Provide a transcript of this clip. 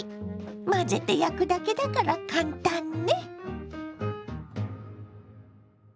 混ぜて焼くだけだから簡単ね。